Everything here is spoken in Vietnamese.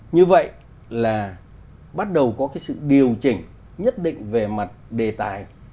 như vậy là bắt đầu có cái sự điều chỉnh nhất định về mặt đề tài